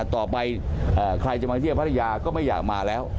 ต่อไปใครจะมาเที่ยวพัทยาก็ไม่อยากมาแล้ว